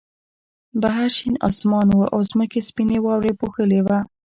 بهر شین آسمان و او ځمکه سپینې واورې پوښلې وه